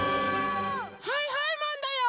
はいはいマンだよ！